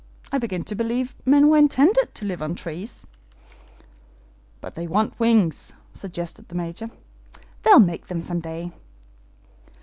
I begin to believe men were intended to live on trees." "But they want wings," suggested the Major. "They'll make them some day."